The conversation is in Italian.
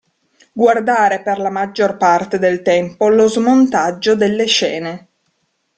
Guardare per la maggior parte del tempo lo smontaggio delle scene.